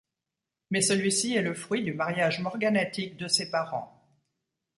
Mais celui-ci est le fruit du mariage morganatique de ses parents.